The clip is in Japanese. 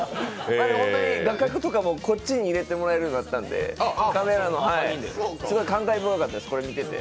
でも画角とかも、こっちに入れてもらえたので、すごい感慨深かったです、これ見てて。